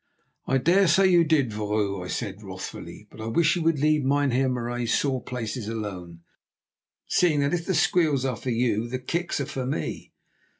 "I dare say you did, vrouw," I said wrathfully, "but I wish you would leave Mynheer Marais's sore places alone, seeing that if the squeals are for you, the kicks are for me."